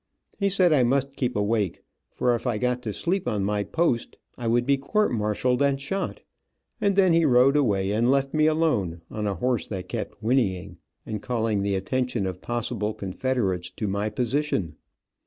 He said I must keep awake, for if I got to sleep on my post I would be court martialed and shot, and then he rode away and left me alone, on a horse that kept whinnying, and calling the attention of possible Confederates to my position.